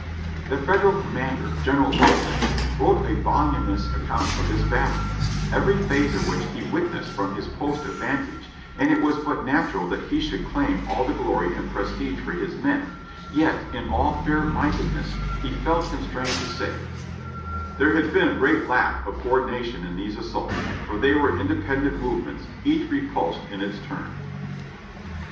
The Federal commander, General Doubleday, wrote a volumi nous account of this battle, every phase of which he witnessed from his post of vantage, and it was but natural that he should claim all the glory and prestige for his men, yet in all fair minded ness he felt constrained to say : "There had been a great lack of co ordination in these as saults, for they were independent movements, each repulsed in its turn." ( "Chancel lorsville and Gettysburg." p. 145.)